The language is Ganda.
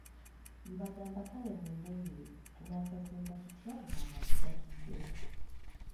Mbagamba kale mumbuulire tunaakazimba tutya ng'abantu batuddewo?